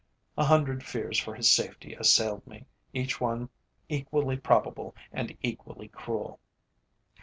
A hundred fears for his safety assailed me, each one equally probable and equally cruel.